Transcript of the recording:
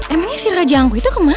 emangnya si raja anggu itu kemana